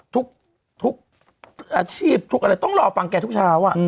ทุกอาชีพทุกอะไรต้องรอฟังแกทุกเช้า